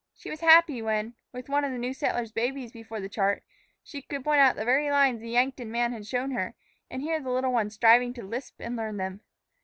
She was happy when, with one of the new settler's babies before the chart, she could point out the very lines the Yankton man had shown her, and hear the little one striving to lisp and learn them.